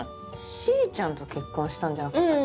しーちゃんと結婚したんじゃなかったっけ？